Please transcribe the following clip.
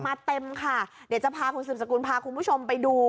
เต็มค่ะเดี๋ยวจะพาคุณสืบสกุลพาคุณผู้ชมไปดู